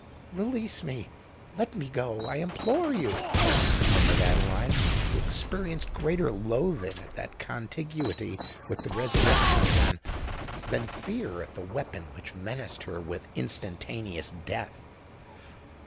"Release me—let me go—I implore you!" murmured Adeline, who experienced greater loathing at that contiguity with the Resurrection Man, than fear at the weapon which menaced her with instantaneous death.